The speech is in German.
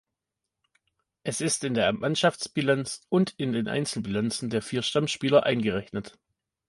Es ist in der Mannschaftsbilanz und in den Einzelbilanzen der vier Stammspieler eingerechnet.